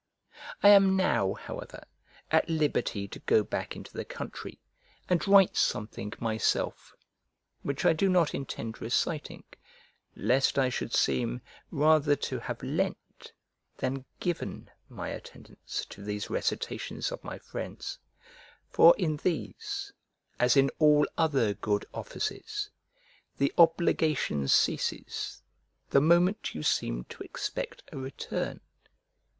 I am now, however, at liberty to go back into the country, and write something myself; which I do not intend reciting, lest I should seem rather to have lent than given my attendance to these recitations of my friends, for in these, as in all other good offices, the obligation ceases the moment you seem to expect a return.